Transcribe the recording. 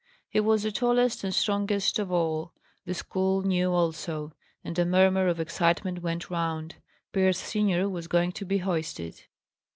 He was the tallest and strongest of all. The school knew also; and a murmur of excitement went round. Pierce senior was going to be hoisted.